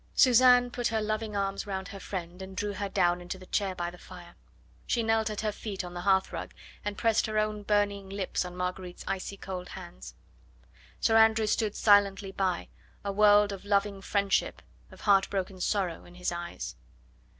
Suzanne put her loving arms round her friend and drew her down into the chair by the fire. She knelt at her feet on the hearthrug, and pressed her own burning lips on Marguerite's icy cold hands. Sir Andrew stood silently by, a world of loving friendship, of heart broken sorrow, in his eyes.